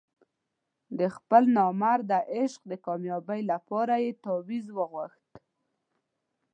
د خپل نامراده عشق د کامیابۍ لپاره یې تاویز وغوښت.